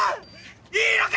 いいのか‼